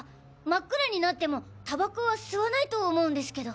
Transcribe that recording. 真っ暗になってもタバコは吸わないと思うんですけど。